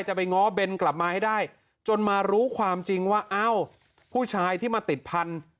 ไปง้อเบนกลับมาให้ได้จนมารู้ความจริงว่าเอ้าผู้ชายที่มาติดพันธุ์